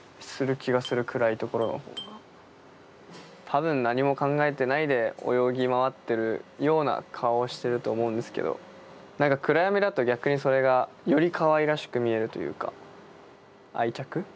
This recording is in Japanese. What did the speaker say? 多分何も考えてないで泳ぎ回ってるような顔をしてると思うんですけど何か暗闇だと逆にそれがよりかわいらしく見えるというか愛着？